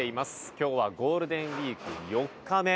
今日はゴールデンウィーク４日目。